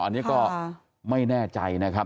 อันนี้ก็ไม่แน่ใจนะครับ